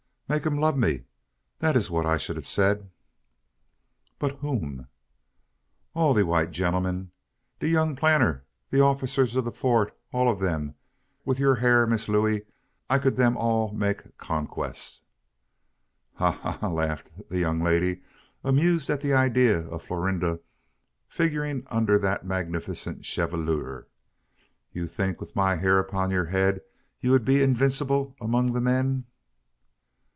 "Make em lub me. Dat's what I should hab say." "But whom?" "All de white gen'l'm. De young planter, de officer ob de Fort all ob dem. Wif you hair, Miss Looey, I could dem all make conquess." "Ha ha ha!" laughed the young lady, amused at the idea of Florinda figuring under that magnificent chevelure. "You think, with my hair upon your head, you would be invincible among the men?"